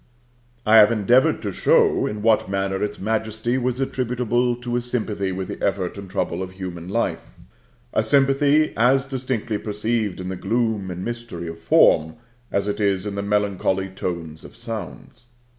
I have endeavored to show in what manner its majesty was attributable to a sympathy with the effort and trouble of human life (a sympathy as distinctly perceived in the gloom and mystery of form, as it is in the melancholy tones of sounds).